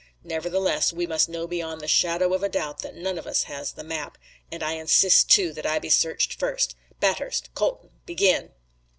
Nevertheless we must know beyond the shadow of a doubt that none of us has the map. And I insist, too, that I be searched first. Bathurst, Colton, begin!"